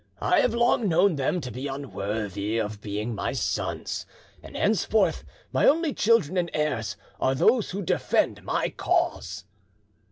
"I have long known them to be unworthy of being my sons, and henceforth my only children and heirs are those who defend my cause."